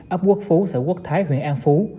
ấp quốc phú xã quốc thái huyện an phú